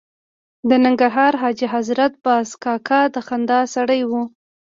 د ننګرهار حاجي حضرت باز کاکا د خندا سړی و.